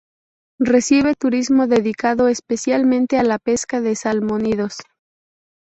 Recibe turismo dedicado, especialmente a la pesca de salmónidos.